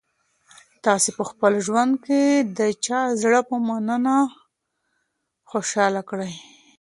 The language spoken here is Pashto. تاسي په خپل ژوند کي د چا زړه په مننه خوشاله کړی؟